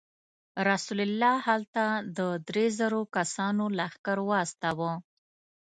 رسول الله هلته د درې زرو کسانو لښکر واستاوه.